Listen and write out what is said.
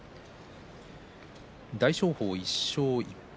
大翔鵬、１勝１敗。